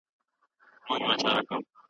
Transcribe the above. که سګریټ پرېږدې، روغتیا ښه کېږي.